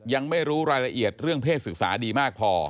ยังไม่รู้รายละเอียดเรื่องเพศศึกษาดีมากพอ